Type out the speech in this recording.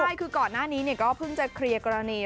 ใช่คือก่อนหน้านี้ก็เพิ่งจะเคลียร์กรณี